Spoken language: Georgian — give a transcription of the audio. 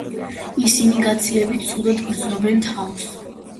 ისინი გაცილებით ცუდად გრძნობენ თავს.